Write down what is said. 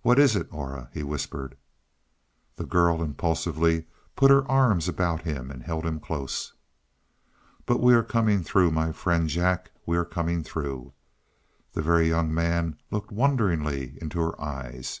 "What is it, Aura?" he whispered. The girl impulsively put her arms about him and held him close. "But we are coming through, my friend Jack. We are coming through." The Very Young Man looked wonderingly into her eyes.